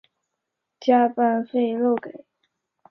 加班费漏给